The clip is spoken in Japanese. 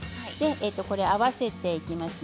これを合わせていきますね。